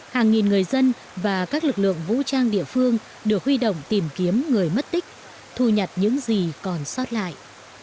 hàng nghìn người dân và các lực lượng vũ trang địa phương được huy động tìm kiếm người mất tích thu nhặt những gì còn sót lại